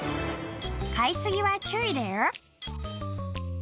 買い過ぎは注意だよ